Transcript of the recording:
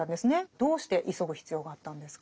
どうして急ぐ必要があったんですか？